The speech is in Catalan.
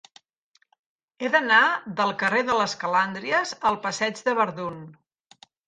He d'anar del carrer de les Calàndries al passeig de Verdun.